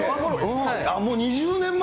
もう２０年前？